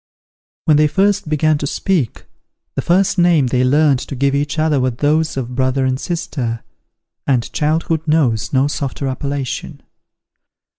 When they first began to speak, the first name they learned to give each other were those of brother and sister, and childhood knows no softer appellation.